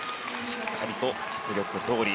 しっかりと実力どおり。